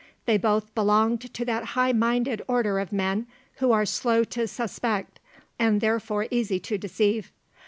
They both belonged to that high minded order of men, who are slow to suspect, and therefore easy to deceive.